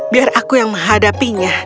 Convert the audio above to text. biar aku yang menghadapinya